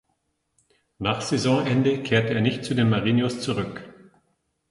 Nach Saisonende kehrte er nicht zu den Marinos zurück.